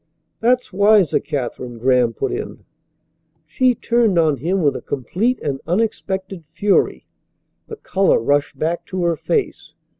"That's wiser, Katherine," Graham put in. She turned on him with a complete and unexpected fury. The colour rushed back to her face.